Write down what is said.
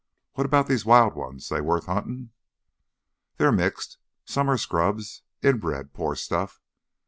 What about these wild ones—they worth huntin'?" "They're mixed; some are scrubs, inbred, poor stuff.